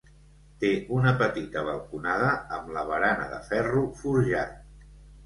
Té una petita balconada amb la barana de ferro forjat.